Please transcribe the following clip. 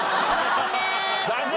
残念。